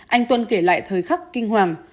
anh tuân kể lại thời khắc kinh hoàng